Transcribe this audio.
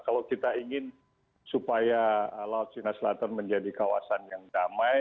kalau kita ingin supaya laut cina selatan menjadi kawasan yang damai